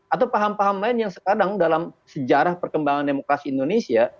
atau paham paham lain yang sekarang dalam sejarah perkembangan demokrasi indonesia